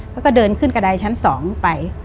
เขาก็เดินขึ้นกระดายชั้น๒ไป